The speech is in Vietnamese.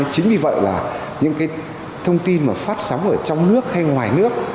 chính vì vậy là những cái thông tin mà phát sóng ở trong nước hay ngoài nước